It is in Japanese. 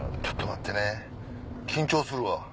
ちょっと待ってね緊張するわ。